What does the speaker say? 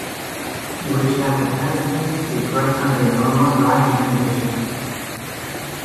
Which had a tendency to break under normal driving conditions.